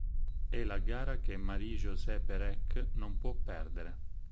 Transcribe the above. È la gara che Marie-José Perec non può perdere.